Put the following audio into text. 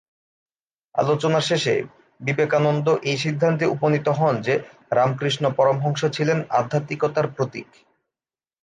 আলোচনার শেষে বিবেকানন্দ এই সিদ্ধান্তে উপনীত হন যে, রামকৃষ্ণ পরমহংস ছিলেন আধ্যাত্মিকতার প্রতীক।